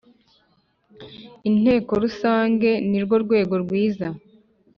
Inteko Rusange ni rwo rwego rwiza